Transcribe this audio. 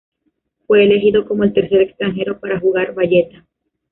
Fue elegido como el tercer extranjero para jugar Valletta.